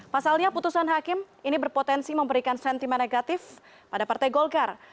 pasalnya putusan hakim ini berpotensi memberikan sentimen negatif pada partai golkar